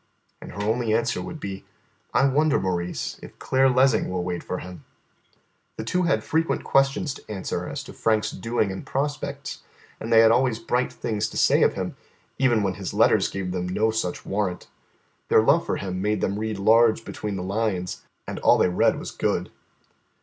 And her only answer would be, "I wonder, Maurice, if Claire Lessing will wait for him?" The two had frequent questions to answer as to Frank's doing and prospects, and they had always bright things to say of him, even when his letters gave them no such warrant. Their love for him made them read large between the lines, and all they read was good.